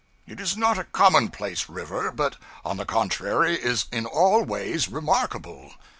It is not a commonplace river, but on the contrary is in all ways remarkable.